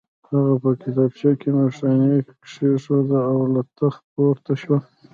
هغه په کتابچه کې نښاني کېښوده او له تخت پورته شو